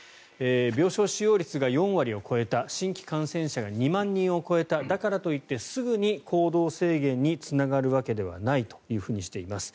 病床使用率が４割を超えた新規感染者が２万人を超えたといってすぐに行動制限につながるわけではないとしています。